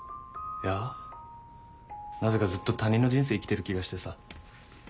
いやなぜかずっと他人の人生生きてる気がしてさ。